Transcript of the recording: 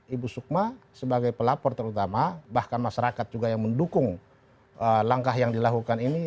ibu sukma sebagai pelapor terutama bahkan masyarakat juga yang mendukung langkah yang dilakukan ini